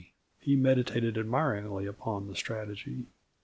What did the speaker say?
He meditated admiringly upon the strategy.